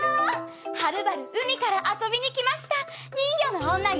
はるばる海から遊びに来ました人魚の女よ。